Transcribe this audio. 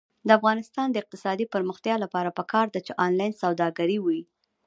د افغانستان د اقتصادي پرمختګ لپاره پکار ده چې آنلاین سوداګري وي.